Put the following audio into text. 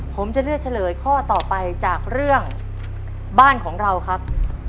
ผมจะเลือกเฉลยข้อต่อไปจากเรื่องบ้านของเราครับ